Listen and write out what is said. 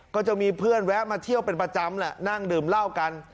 ก็จะมีเพื่อนแวะมาเที่ยวเป็นประจำแหละนั่งดื่มเหล้ากัน